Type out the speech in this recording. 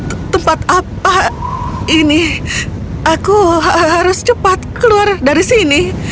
tempat apa ini aku harus cepat keluar dari sini